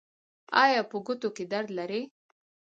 ایا په ګوتو کې درد لرئ؟